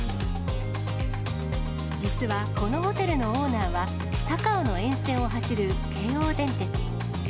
実はこのホテルのオーナーは、高尾の沿線を走る京王電鉄。